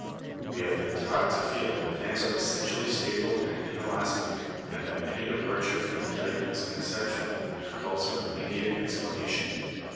We have been taught to feel that plants are essentially; stable and inelastic, and that any departure from the type is an exception, and calls for immediate explana tion.